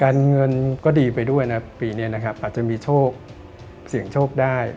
การเงินก็ดีไปด้วยนะครับปีนี้อาจจะมีโชคเสี่ยงโชคได้